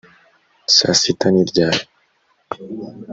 saa sita ni ryari?